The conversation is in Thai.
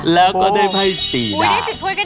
แล้วก็ได้ให้๔หน่า